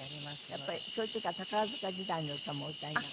やっぱりそういう時は宝塚時代の歌もお歌いになるの？